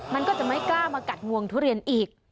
มันก็จะไม่กล้ามากัดงวงทุเรียนอีก